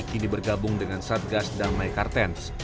kini bergabung dengan satgas damai kartens